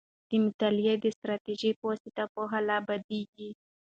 د مطالعې د استراتيژۍ په واسطه پوهه لا بدیږي.